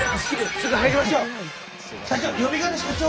すぐ入りましょう！